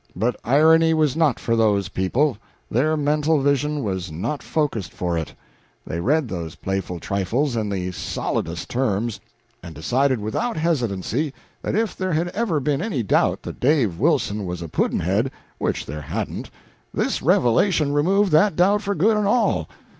But irony was not for those people; their mental vision was not focussed for it. They read those playful trifles in the solidest earnest, and decided without hesitancy that if there had ever been any doubt that Dave Wilson was a pudd'nhead which there hadn't this revelation removed that doubt for good and all.